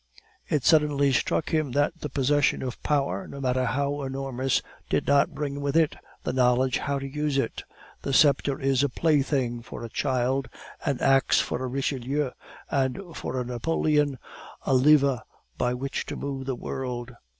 It suddenly struck him that the possession of power, no matter how enormous, did not bring with it the knowledge how to use it. The sceptre is a plaything for a child, an axe for a Richelieu, and for a Napoleon a lever by which to move the world.